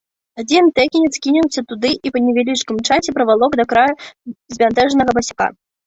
Адзін тэкінец кінуўся туды і па невялічкім часе прывалок да краю збянтэжанага басяка.